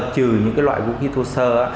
trừ những loại vũ khí thô sơ